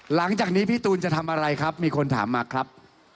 หลังจากนี้พี่ตูนจะทำอะไรครับมีคนถามมาครับ